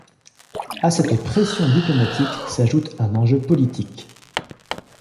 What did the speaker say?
À cette pression diplomatique s'ajoute un enjeu politique.